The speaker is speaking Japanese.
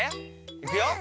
いくよ。